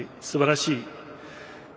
すばらしい